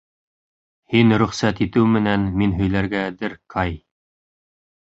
Һин рөхсәт итеү менән мин һөйләргә әҙер, Кай.